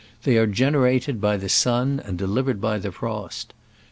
They are generated by the sun and delivered by the frost.